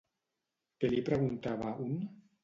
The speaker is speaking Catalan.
Què li preguntava un?